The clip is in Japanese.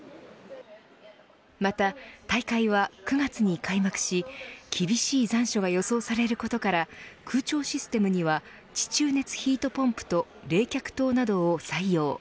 また大会は９月に開幕し厳しい残暑が予想されることから空調システムには地中熱ヒートポンプと冷却塔などを採用。